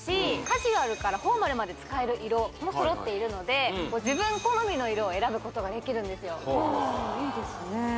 カジュアルからフォーマルまで使える色も揃っているので自分好みの色を選ぶことができるんですよああいいですねえ